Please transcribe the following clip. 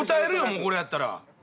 もうこれやったら。